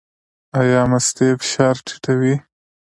ایا مستې فشار ټیټوي؟